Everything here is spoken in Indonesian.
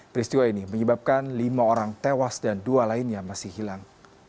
peristiwa ini menyebabkan lima orang tewas dan dua lainnya masih hilang